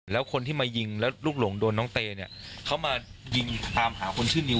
แล้วคนที่มายิงแล้วลูกหลงโดนน้องเตเนี่ยเขามายิงตามหาคนชื่อนิว